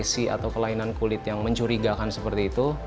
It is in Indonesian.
kondisi atau kelainan kulit yang mencurigakan seperti itu